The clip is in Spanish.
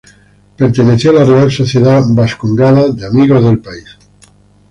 Perteneció a la Real Sociedad Bascongada de Amigos del País.